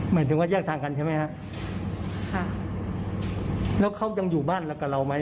หมายถึงว่าแยกทางกันใช่ไหมฮะค่ะแล้วเขายังอยู่บ้านเรากับเราไหม